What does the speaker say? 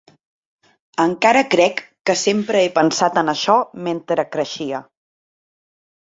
Encara crec que sempre he pensat en això mentre creixia.